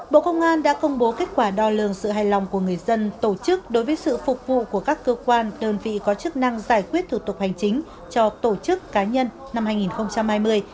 bộ công an đã công bố kết quả đo lường sự hài lòng của người dân tổ chức đối với sự phục vụ của các cơ quan đơn vị có chức năng giải quyết thủ tục hành chính cho tổ chức cá nhân năm hai nghìn hai mươi